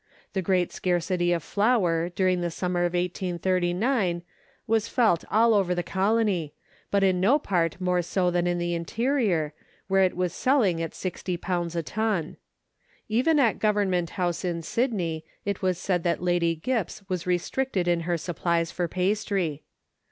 The great scarcity of flour during the summer of 1839 was felt all over the colony, but in no part more so than in the interior, where it was selling at 60 a ton. Even at Government House in Sydney, it was said that Lady Gipps was restricted in her supplies for pastry.